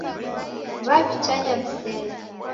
W'aw'itanya wiselo